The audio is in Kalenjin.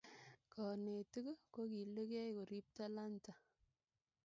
kanetik kokilikei korip talanta